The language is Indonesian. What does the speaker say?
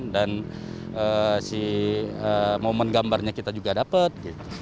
dan si momen gambarnya kita juga dapat